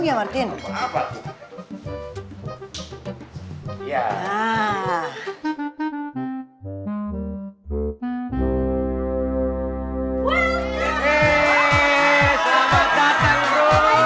selamat datang beautiful